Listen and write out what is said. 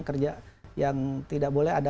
kerja yang tidak boleh ada